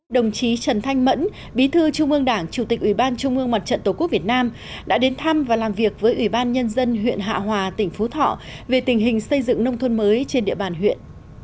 đồng chí trần thanh mẫn bí thư trung ương đảng chủ tịch ủy ban trung ương mặt trận tổ quốc việt nam đã đến thăm và làm việc với ủy ban nhân dân huyện hạ hòa tỉnh phú thọ về tình hình xây dựng nông thôn mới trên địa bàn huyện